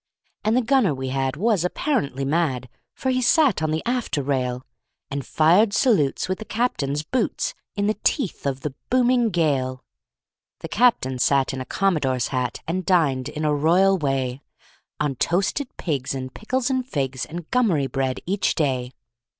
And the gunner we had was apparently mad, For he sat on the after rail, And fired salutes with the captain's boots, In the teeth of the booming gale. The captain sat in a commodore's hat And dined, in a royal way, On toasted pigs and pickles and figs And gummery bread, each day.